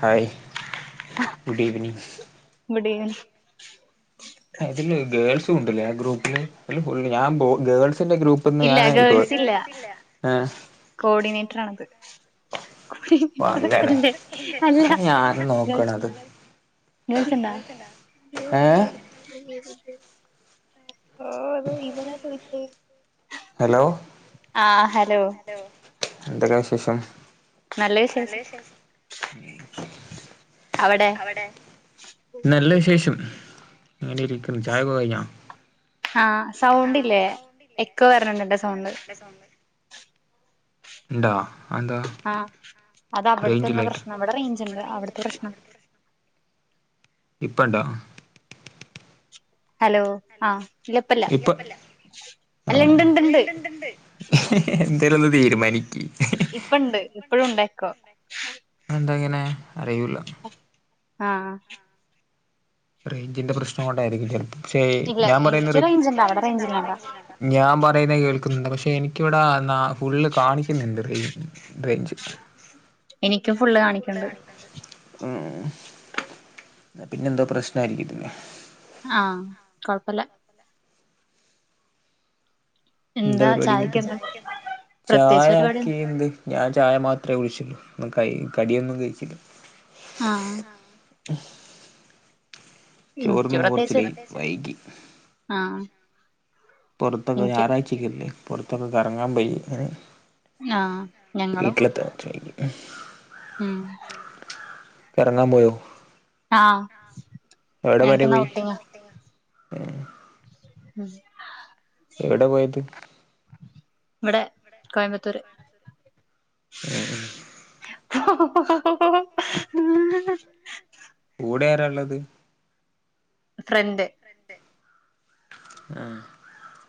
Hi good evening. Good evening. അതില് ഗേൾസും ഉണ്ട്ല്ലേ ആഹ് ഗ്രൂപ്പില് അയ്ല് ഫു ഞാൻ ഗേൾസിന്റെ ഗ്രൂപ്പ്. ഇപ്പൊന്ന് ഞാൻ ഇ ഗേൾസില്ല ഏഹ്. കോഡിനേറ്ററാണത്. കുടിട്ട അല്ലെ അല്ല [unintelligible] ഗേൾസ്ണ്ട? ഓ അത് നിയെന്തിന ചോയിചെ? ഹലോ ന്തൊക്കെ വിശേഷം? നല്ല വിശേഷം. അവിടെ? നല്ല വിശേഷം അങ്ങനെ ഇരിക്കുന്ന് ചായക്കെ കഴിഞ്ഞാ? ആഹ് സൗണ്ടില്ലേ എക്കോ വരണ്ണ്ട് സൗണ്ട്. സൗണ്ട്. ഇണ്ടാ അതെന്താ? ആഹ് അത് അവിടുത്തെന്തോ പ്രശ്നം ഇവ്ടെ റേഞ്ച്ണ്ട് അവിട്ത്തെ പ്രശ്ന. ഇപ്പണ്ടോ? ഹലോ ആഹ് ല്ല ഇപ്പല്ല അല്ല ഇണ്ട് ഇണ്ട്ണ്ട്. എന്തേലൊന്ന് തീരുമാനിക്ക്. പ്പണ്ട് ഇപ്പോഴും ഉണ്ടെക്കോ. അതെന്തങ്ങനെ അറിയൂല. ആഹ് റേഞ്ചിന്റെ പ്രശ്നം കൊണ്ടായിരിക്കും ചെലപ്പോ. ഇല്ല എനിക്ക് റേഞ്ച് ഇണ്ട് അവിടെ റേഞ്ച്ല്ലണ്ടോ. ഞാൻ പറയുന്നത് കേൾക്കുന്നുണ്ട് പഷേ എനിക്കിവിടെ ന ഫുള്ള് കാണിക്കുന്നുണ്ട് റെയിൻ റേഞ്ച്. എനിക്കും ഫുള്ള് കാണിക്ക്ണ്ട്. ഉം പിന്നെന്തോ പ്രശ്നായിരിക്കത്തില്ലേ. ആഹ് കൊഴപ്പല്ല. ന്താ പരിപാടിന്നിട്ട് ചായേക്കേന്ത്‌? ഞാൻ ചായ മാത്രെ ഴിച്ചുള്ളൂ ഒ കൈ കടിയൊന്നും കഴിച്ചില്ല. ആഹ് ചോർന്ന് കുറച്ച് ല്ലെ വൈകി ആഹ് പൊറത്തൊക്കെ ഞായറാഴ്ചിരിക്കില്ലേ പൊറത്തൊക്കെ കറങ്ങാൻ പയി അങ്ങനെ. വീട്ടിലെത്ത ചോയിക്കട്ടെ കറങ്ങാൻ പോയോ എവ്ടെ വരെ പോയി? ആഹ്. മ്ഹ് എവിടെ പോയത്? ഇവിടെ കോയമ്പത്തൂര് ഹ് ഹ് ഹ് ഹ് ഹ് ഹ് ഏഹ് കൂടെ ആരാ ഇള്ളത് ഫ്രണ്ട് ആഹ്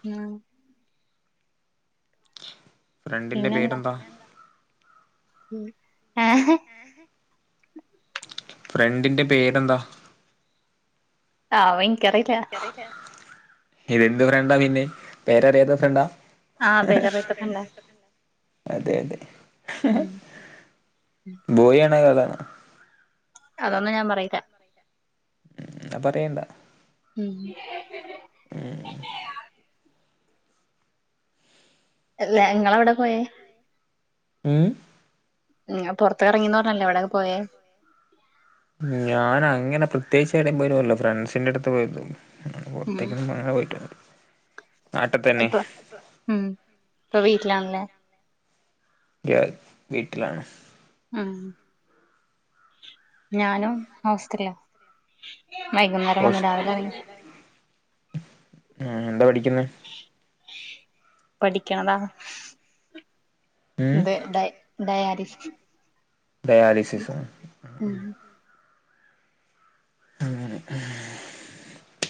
ഉം ഫ്രണ്ടിന്റെ പേരെന്താ ഏഹ് ഫ്രണ്ടിന്റെ പേരെന്താ ആവോ.. എനിക്കറീല ഇന്കറീലാ.. ഇതെന്ത് ഫ്രണ്ടാ പിന്നെ പേരറിയാത്ത ഫ്രണ്ടാ ആഹ്.. പേര് അറിയാത്ത ഫ്രണ്ടാ അതെ അതെ ബോയി ആണോ ഗേളാണോ അതൊന്നും ഞാൻ പറയില്ല ഉം ന്നാ പറയണ്ടാ ഉം ഉം അല്ല നിങ്ങള എവിടെ പോയേ ഉം ഉം പുറത്ത് ഇറങ്ങിന്ന് പറഞ്ഞല്ലോ എവിടെക്കൊ പോയേ ഞാന അങ്ങനെ പ്രത്യേകിച്ച് എവിടേം പോയെന്നുല്ല.. ഫ്രണ്ട്സിന്റെ അടുത്ത് പോയിരുന്നു പുറത്തേക്കങ്ങനെ പോയിട്ടൊന്നുല്ല നാട്ടിത്തന്നെ ഉം ഇപ്പൊ വീട്ടിലാണ് ല്ലെ [unintelligible] വീട്ടിലാണ് ഉം ഞാനും [unintelligible] വൈകുന്നേരം വന്നു രാവിലെ എറ ആ എന്താ പഠിക്കുന്നെ പഠിക്കണതാ ഇത് ട ഡയാലിസിസ് ഡയാലിസിസോ ഉഹും അങ്ങനെ.. ആഹ്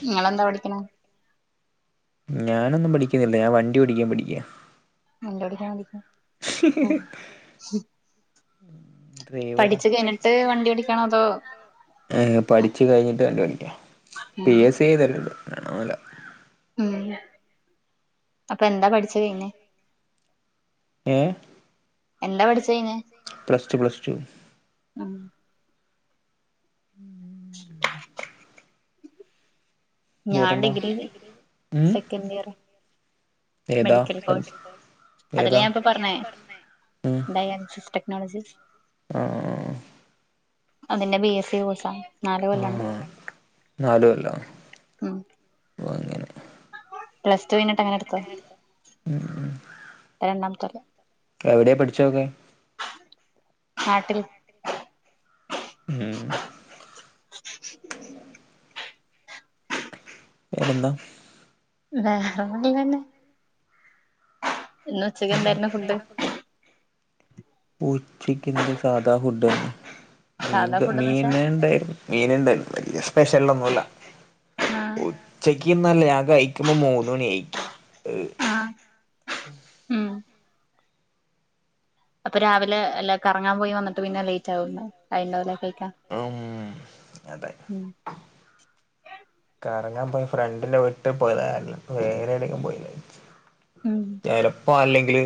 നിങ്ങളെന്താ പഠിക്കണേ ഞാനൊന്നും പഠിക്കുന്നില്ല.. ഞാൻ വണ്ടി ഓടിക്കാൻ പഠിക്ക വണ്ടി ഓടിക്കാൻ പഠിക്ക ഹ് ഹ് ഹ് പഠിച്ച് കഴിഞ്ഞിട്ട് വണ്ടി പിടിക്കണോ അതോ എഹ് പഠിച്ചു കഴിഞ്ഞിട്ട്.. പി എസ് സി എഴുതലുണ്ട്.. വേറൊന്നുല്ലാ ഉം അപ്പൊ എന്താ പഠിച്ച് കഴിഞ്ഞേ ഏഹ് എന്താ പഠിച്ച് യിന് പ്ലസ് ടു പ്ലസ് ടു ഉം ഉം ഞാൻ degree second year medical course അതല്ലെ ഞാനിപ്പൊ പറഞ്ഞേ ഡയാലിസിസ് ടെക്നോളജി ആഹ് അതിന്റെ ബി എസ് സി കോഴ്സാ ആ നാല് കൊല്ലം ഉം പ്ലസ് ടു കഴിഞ്ഞിട്ട് അങ്ങനെ എടുത്തതാ രണ്ടാമത്തെ കൊല്ലം എവ്ടെയാ പഠിച്ചതൊക്കെ നാട്ടില് ഉമ് വേറെന്താ? വേറെ ള്ളതന്നെ ഇന്ന് ഉച്ചക്ക് എന്താരുന്നു ഫുഡ് ഉച്ചക്ക് എന്താ സാധാ ഫുഡന്നെ മീൻക മീന്ണ്ടാരുന്നു മീന്ണ്ടാരുന്നു വല്യ സ്പെഷ്യല് ഒന്നുല്ല ഉച്ചക്കിന്നല്ല ഞാൻ കയിക്കുമ്പോ മൂന്ന്മണി അയിക്ക് ഏഹ് അപ്പ രാവിലെ അല്ലേ കറങ്ങാൻ പോയി വന്നിട്ട് പിന്നെ ലേറ്റ് ആവുന്നെ അയിന്റെ പോലെ കയിക്കാൻ ഉം അതെ ഉം കറങ്ങാൻ പോയി ഫ്രണ്ടിന്റെ വീട്ടി പോയതായിരുന്നു വേറെവിടേക്കും പോയില്ലേ. ചെലപ്പോ അല്ലെങ്കിൽ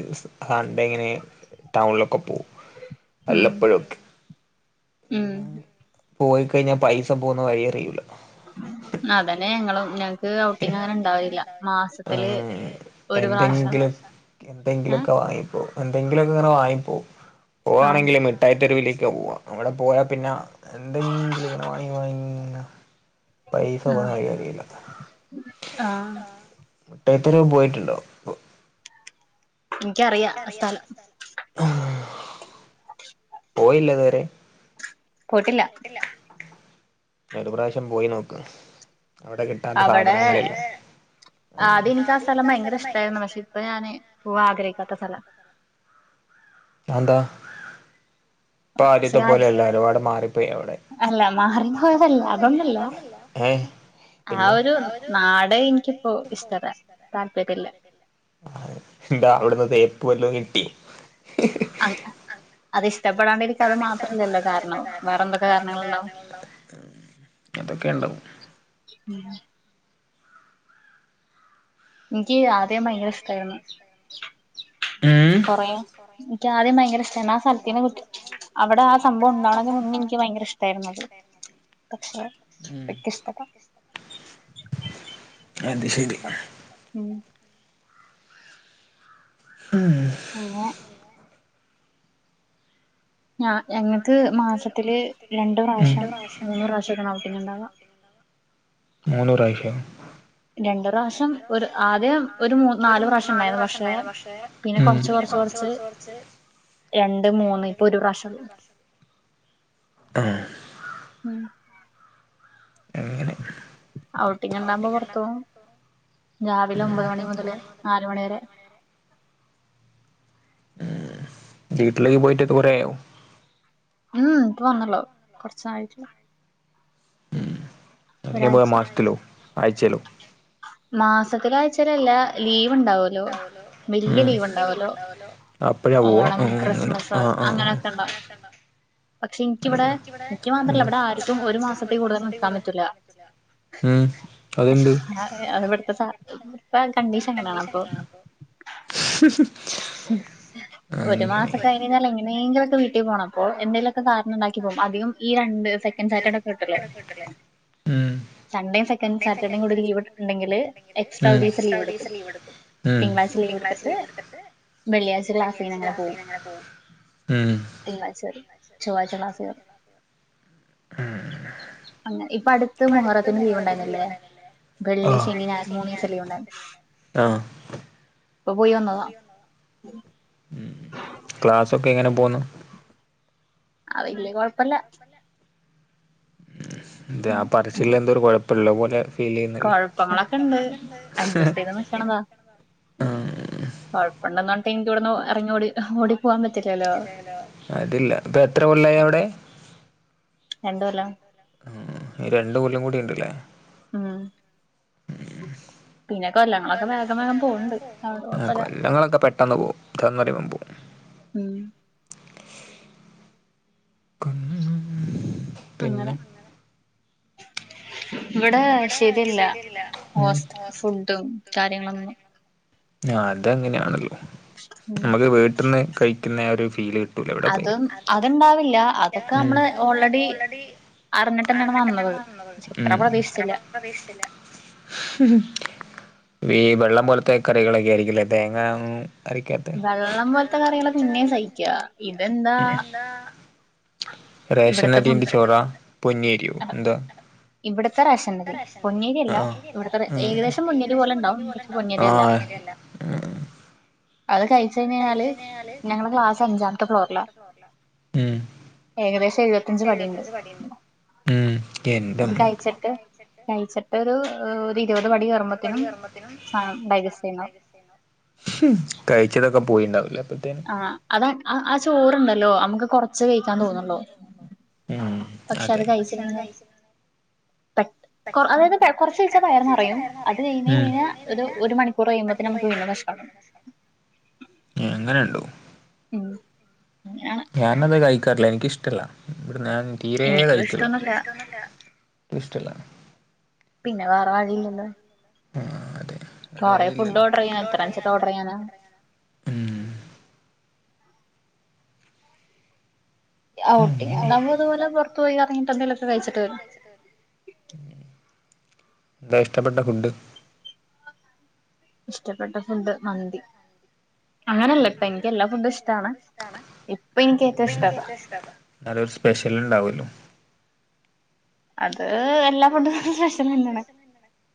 സണ്ടേ ഇങ്ങനെ ടൗണിലൊക്കെ പോവും വല്ലപോയും ഉം പോയി കയിഞ്ഞാ പൈസ പോന്ന വഴി അറിയൂല അതന്നെ ഞങ്ങളും ക്ക് ഔട്ടിങ്ങ് അങ്ങനെ ഉണ്ടാവില്ല മാസത്തില് ഒര് പ്രാശം എന്തെങ്കിലൊക്കെ വാങ്ങിപ്പോ എന്തെങ്കിലൊക്കെ ഇങ്ങനെ വാങ്ങിപ്പോവും പോവാണെങ്കില് മിട്ടായിത്തെരുവിലേക്കാ പോവാ അവിടെ പോയാ പിന്നെ എന്തെങ്കിലും ഇങ്ങനെ വാങ്ങി വാങ്ങിങ്ങനെ പൈസ പോണേ വയിഅറിയില്ല ആഹ് മുട്ടായിത്തെരുവി പോയിട്ടുണ്ടോ ക്കറിയാം ആഹ് സ്ഥലം ആഹ് പോയില്ല ഇതുവരേ പോയ്ട്ടില്ല ഒരു പ്രാശ്യം പോയി നോക്ക് അവ്ടെ കിട്ടാത്ത സാധനങ്ങളില്ല ആ ആദ്യനിക്ക് ആ സ്ഥലം ഭയങ്കര ഇഷ്ട്ടാരുന്നു പഷേ ഇപ്പ ഞാന് പോവാൻ ആഗ്രഹിക്കാത്ത സ്ഥലാ അന്താ ഇപ്പ ആദ്യത്തെ പോലെ അല്ല ഒര്പാട് മാറിപ്പോയി അവ്ടെ അല്ല മാറി പോയതല്ല അതൊന്നല്ല ആ ഒരു നാടെ എനിക്കിപ്പോ ഇഷ്ട്ടല്ല താൽപര്യല്ല എന്താ അവ്ട്ന്ന് തേപ്പ് വല്ലോ കിട്ടി ഹ് ഹ് അ [unintelligible] അത് ഇഷ്ട്ടപ്പെടാണ്ടരിക്ക അത് മാത്രല്ലല്ലോ കാരണം വേറെ എന്തൊക്കെ കാരണങ്ങള്ണ്ടാവും അതൊക്കെണ്ടാവും ഉം ഇൻക്ക് ആദ്യം ഭയങ്കര ഇഷ്ട്ടാരുന്നു കൊറേ ഇൻക്ക്‌ ആദ്യം ഭയങ്കര ഇഷ്ട്ടാരുന്നു ആ സല ആ സ്ഥലത്തിനെ കുറി [unintelligible] അവ്ടെ ആ സംഭവം ണ്ടാവണെന് മുന്നേ നിക്ക് ഭയങ്കര ഇഷ്ട്ടാരുന്നു പക്ഷേ വ്യത്യസ്തത അത് ശെരി ഉമ് ഉം മുന്നേ അ ഞങ്ങക്ക് മാസത്തില് മ് രണ്ട് പ്രാവശ്യന്നെ മൂന്ന് പ്രാവശ്യംക്കെ അഹുട്ടിങ് ണ്ടാവ. മൂന്നൂ പ്രാവശ്യം. രണ്ടു പ്രാവശ്യം ഒരു ആദ്യം ഒരു മൂ നാലു പ്രാവശ്യം ഉണ്ടായിരുന്നു പക്ഷെ പിന്നെ കൊറച്ച് കൊറച്ച് കൊറച്ച് രണ്ട് മൂന്ന് ഇപ്പൊ ഒരു പ്രാവശ്യള്ളു. അ ഉം അങ്ങനെ. ഔട്ടിങ് ഉണ്ടാവുമ്പോ പൊറത്ത് പോവും രാവിലെ ഒമ്പത് മണി മുതല് നാലുമണിവരെ. ഉം വീട്ടിലേക്ക് പോയിട്ടക്കെ കുറയായോ. ഉം ഇപ്പ വന്നല്ലോ കൊറച്ചായിട്ടില്ല. [unintelligible] മാസത്തിലോ ആഴ്ചയിലോ. മാസത്തിലോ ആഴ്ചയിലോ അല്ല ലീവ് ഉണ്ടാവ ല്ലോ വല്ല്യ ലീവ് ഉണ്ടാവല്ലോ ഓണം ക്രിസ്മസ് അങ്ങനെ ക്കണ്ട പക്ഷെ ഇനിക്കിവിടെ ഇനിക്ക് മാത്രല്ല ഇവിടെ ആർക്കും ഒരു മാസത്തെ കൂടുതൽ നിൽക്കാൻ പറ്റൂല. ഉം അതെന്ത്. അത് ഇവിടുത്തെ സ പ്പ കണ്ടീഷൻ അങ്ങനെയാണ് അപ്പൊ ഒരു മാസക്കെ കഴിഞ്ഞാൽ എങ്ങനെയെങ്കിലൊക്കെ വീട്ടിൽ പോണം അപ്പോ എന്തെലൊ ക്കെ കാരണം ഉണ്ടാക്കി പോവും അധികം ഈ രണ്ട് സെക്കൻഡ് സാറ്റർഡേക്കെ കിട്ടല്ലേ സൺഡേയും സെക്കൻ സാറ്റർഡേയും കൂടെ ലീവ് ഇണ്ടെങ്കില് എക്സ്ട്രാ ഒരീസം ലീവ് എടുക്കും തിങ്കളായിച്ച ലീവ് എടുത്തിട്ട് വെള്ളിയാഴിച്ച ക്ലാസ്സിന്നങ്ങെനെ പോവും. അതേ. ഉം തിങ്കളാഴ്ച വരും [inaudible] അങ്ങനെ ഇപ്പൊ അടുത്ത് മുഹറത്തിന് ലീവ് ഉണ്ടായിരുന്നില്ലേ വെള്ളി, ശനി, ഞായർ മൂന്നീസം ലീവ് ഉണ്ടായിരുന്നു ആ ഇപ്പൊ പോയി വന്നതാ. ഉം ക്ലാസ്സൊക്കെ എങ്ങനെ പോകുന്നു. അ വല്ല്യ കുഴപ്പല്ല. എന്തേ ആ പറച്ചിൽ എന്തൊരു കുഴപ്പല്ല പോലെ. കുഴപ്പങ്ങളൊക്കെ ഉണ്ട് അഡ്ജസ്റ്റ് ചെയ്ത് ക്ക്‌ണതാ കൊഴപ്പണ്ടന്ന്റഞ്ഞിട്ട് എനിക്കിവിടെന്ന് ഇറങ്ങി ഓടി ഓടി അതില്ല പ്പ എത്ര കൊല്ലായി അവിടെ. രണ്ടുകൊല്ലം. ഉം ഉം ഒരു രണ്ടു കൊല്ലം കൂടിണ്ട്ലേ. ആ ആ കൊല്ലങ്ങളൊക്കെ പെട്ടെന്ന് പോവും ഇതാന്ന് പറിയുമ്പോ പോവും. ഉം പിന്നെ. [inaudible] ഇവിടെ ശരിയല്ല ഹോസ്റ്റൽ ഫുഡും കാര്യങ്ങളൊന്നും. ആഹ് അതങ്ങനെയാണല്ലോ നമുക്ക് വീട്ട്ന്ന് കഴിക്കുന്നാ ഒരു ഫീല് കി അതും അത്ണ്ടാവില്ല അതൊക്കെ നമ്മള് ഓൾറെഡി അറിഞ്ഞിട്ട് തന്നെയാണ് വന്നത് പക്ഷെ ഇത്ര പ്രതീക്ഷിച്ചില്ല. പ്രതീക്ഷിച്ചില്ല. ഹ് ഹ് ഈ വെള്ളം പോലത്തെ കറികളൊക്കെ ആയിരിക്കുലേ തേങ്ങ ഉം വെള്ളം പോലത്തെ കറികളെ പിന്നെയും സഹിക്കാ ഇതെന്താ റേഷൻരിന്റെ ചോറാ പൊന്നിയരിയോ എന്തുവാ. ഇവിടത്തെ റേഷനരി പൊന്നിയരിയല്ല ഇവിടത്തെ ഏകദേശം പൊന്നിയരി പോലെ ണ്ടാവും പക്ഷെ പൊന്നിയരി അല്ല. [inaudible] അത് കഴിച്ചയ്കഴിഞ്ഞാല് ഞങ്ങളെ ക്ലാസ് അഞ്ചാമത്തെ ഫ്ലോർലാ. ഏകദേശ് ഏകദേശം എഴുപത്തഞ്ച് പടിണ്ട് ഉം കഴിച്ചിട്ട് കഴിച്ചിട്ടരു ഇരുപത് പടി കെറുമ്പോത്തിനും സാം ഡൈജസ്റ്റ് ചെയ്യുന്നു കഴിച്ചതൊക്കെ പോയിണ്ടാവില്ലേ ആ അത ആ ചോറ്ണ്ടല്ലോ നമ്മക്ക് കൊർച്ച് കഴിക്കാൻ തോന്നൊള്ളൂ പക്ഷെ അത് കഴിച്ചില്ലങ്ങ. ബ കൊർ അതായത് പെ കൊർച്ച കഴിച്ച വയർന്ന്റയും. [unintelligible] ഒരു ഒരു മണിക്കൂർ കഴിയുമ്പോത്തിനു നമുക്ക് വീണ്ടും വെശക്കാൻ തൊടങ്ങും ഏഹ് അങ്ങനണ്ടോ. ഉം ആ ഞാനത് കഴിക്കാറില്ല എനിക്കിഷ്ടല്ല ഇവിടുന്ന് ഞാൻ തീരെ കഴിക്കില്ല ഷ്ടമല്ല പിന്നെ വേറെ വഴിയുണ്ടോ ആ അതെ കൊറെ ഫുഡ് ഓഡറെയ്യാ എത്രന്ന്ച്ച് ട്ട് ഓഡറെയ്യാനാ. ഉം ഔട്ടിങ്ങ് നമ്മളിതുപോലെ പൊർത്ത് പോയി കർങ്ങിട്ട് എന്തെലൊക്കെ കയ്ച്ച്ട്ട് വരു. എന്താ ഇഷ്ടപ്പെട്ട ഫുഡ് ഇഷ്ടപ്പെട്ട ഫുഡ് മന്തി അങ്ങനല്ല ഇപ്പ എൻക്ക് എല്ലാ ഫുഡും ഇഷ്ടാണ് ഇപ്പ എനിക്ക് ഏറ്റവും ഇഷ്ട അതാ നല്ലൊരു സ്പെഷ്യല് ഇണ്ടാവല്ലോ അത് എല്ലാ ഫുഡും. തൽ എന്ണ്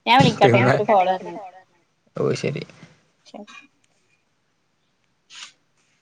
ഞാ വിളിക്കട്ടോ ഇൻക്കൊരു കോള് വര്നു ശരി.